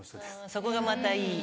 そこがまたいい。